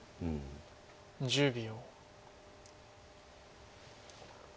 １０秒。